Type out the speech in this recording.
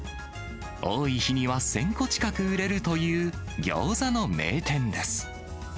多い日には１０００個近く売れるという、餃子の名店です。